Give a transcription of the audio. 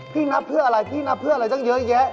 พี่นับเพื่ออะไรต้องเยอะแยะ